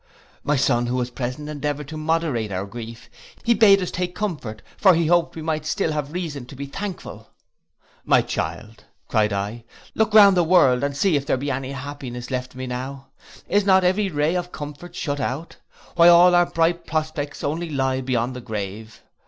My son, who was present, endeavoured to moderate our grief; he bade us take comfort, for he hoped that we might still have reason to be thankful.—'My child,' cried I, 'look round the world, and see if there be any happiness left me now. Is not every ray of comfort shut out; while all our bright prospects only lie beyond the grave!